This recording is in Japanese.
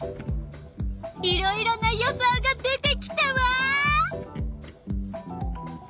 いろいろな予想が出てきたわ！